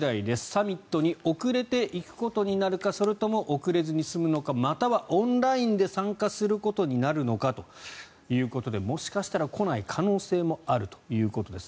サミットに遅れて行くことになるかそれとも遅れずに済むのかまたはオンラインで参加することになるのかということでもしかしたら来ない可能性もあるということです。